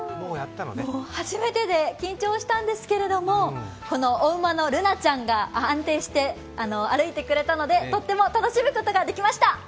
初めてで緊張したんですけれども、このお馬のルナちゃんが安定して歩いてくれたので、とっても楽しむことができました。